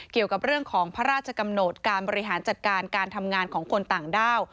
เกี่ยวกับเรื่องของพระราชกำหนดการบริหารจัดการการทำงานของคนต่างด้าว